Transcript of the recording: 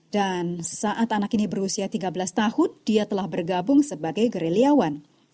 dan saat anak ini berusia tiga belas tahun dia telah bergabung sebagai gerilyawan